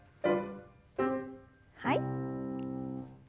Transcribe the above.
はい。